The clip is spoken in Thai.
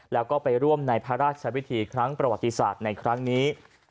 แล้วก็ไปร่วมในพระราชวิธีครั้งประวัติศาสตร์ในครั้งนี้